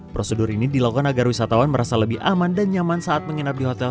prosedur ini dilakukan agar wisatawan merasa lebih aman dan nyaman saat menginap di hotel